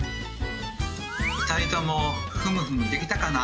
２人ともふむふむできたかな？